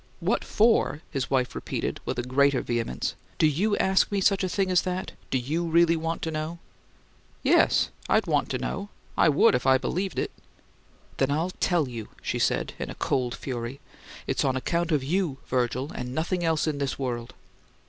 'What for?'" his wife repeated with a greater vehemence. "Do YOU ask me such a thing as that? Do you really want to know?" "Yes; I'd want to know I would if I believed it." "Then I'll tell you," she said in a cold fury. "It's on account of you, Virgil, and nothing else in the world."